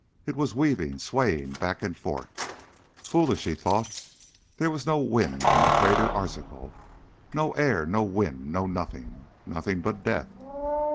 It was weaving, swaying back and forth. Foolish, he thought, there was no wind in Crater Arzachel. No air, no wind, no nothing. Nothing but death.